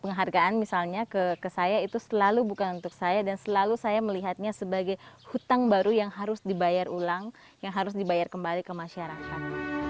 penghargaan misalnya ke saya itu selalu bukan untuk saya dan selalu saya melihatnya sebagai hutang baru yang harus dibayar ulang yang harus dibayar kembali ke masyarakat